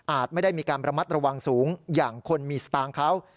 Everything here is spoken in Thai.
ไม่ได้มีการระมัดระวังสูงอย่างคนมีสตางค์เขา